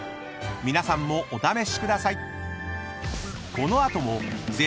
［皆さんもお試しください］